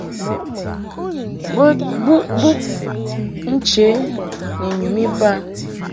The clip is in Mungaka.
Bo buʼ bub nche ni nyum iba.